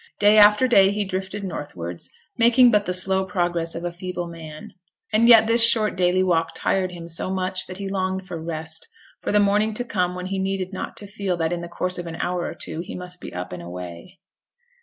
Day after day he drifted northwards, making but the slow progress of a feeble man, and yet this short daily walk tired him so much that he longed for rest for the morning to come when he needed not to feel that in the course of an hour or two he must be up and away.